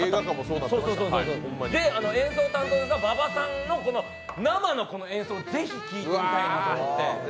で、演奏を担当した馬場さんの生の演奏をぜひ聴いてみたいなと思って。